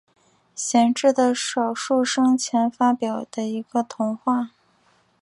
贤治的少数生前发表的一个童话。